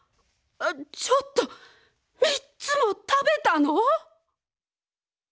ちょっと３つも食べたの！？